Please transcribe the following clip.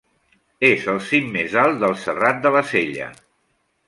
És el cim més alt del Serrat de la Sella.